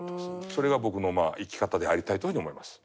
それが僕の生き方でありたいというふうに思います。